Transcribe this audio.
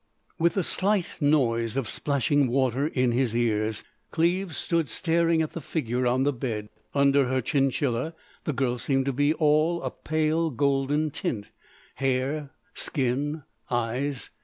With the slight noise of splashing water in his ears, Cleves stood staring at the figure on the bed. Under her chinchilla the girl seemed to be all a pale golden tint—hair, skin, eyes.